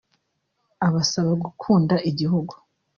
abasaba gukunda igihugu